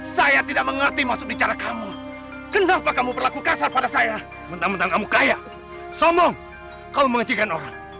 sampai jumpa di video selanjutnya